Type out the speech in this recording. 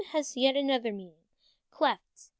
has yet another meaning, "clefts."